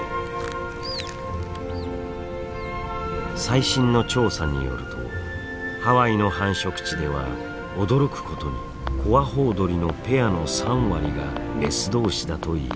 最新の調査によるとハワイの繁殖地では驚くことにコアホウドリのペアの３割がメス同士だといいます。